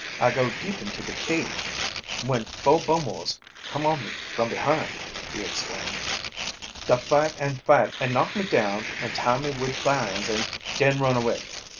"I go deep into de cabe when foah Bumwos come on me from behind," he explained. "Da fight an' fight an' knock me down an' tie me wid vines, an' den run away.